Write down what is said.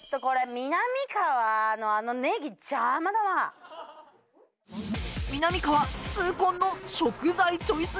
みなみかわ痛恨の食材チョイスミス